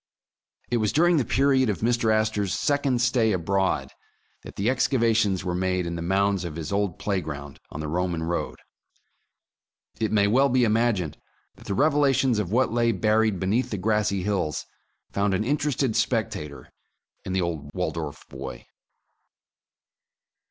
It was during the period of Mr. Astor 's second stay abroad, that the excavations were made in the mounds of his old playground on the Roman road. It may well be imagined that the revelations of what lay buried beneath the grassy hills found an interested spectator in the old Waldorf boy.